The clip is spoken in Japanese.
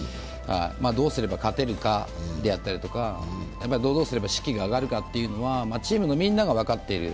どうすれば勝てるかであったりとか、どうすれば士気が上がるかというのはチームのみんなが分かっている。